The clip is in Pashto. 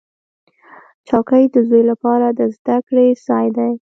چوکۍ د زوی لپاره د زده کړې ځای دی.